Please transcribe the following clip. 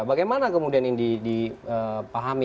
bagaimana kemudian ini dipahami